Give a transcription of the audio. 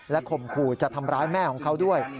ข่มขู่จะทำร้ายแม่ของเขาด้วย